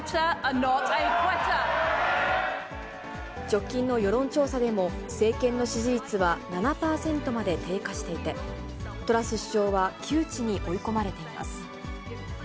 直近の世論調査でも、政権の支持率は７％まで低下していて、トラス首相は窮地に追い込まれています。